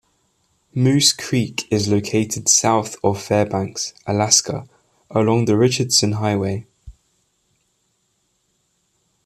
Moose Creek is located south of Fairbanks, Alaska along the Richardson Highway.